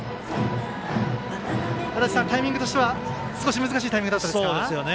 足達さん、タイミングとしては少し難しいタイミングでしたか。